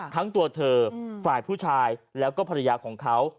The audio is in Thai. ทั้งตัวเธอฝ่ายผู้ชายแล้วก็ภรรยาของเขา